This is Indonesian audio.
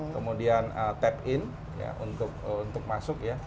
kemudian tap in untuk masuk ya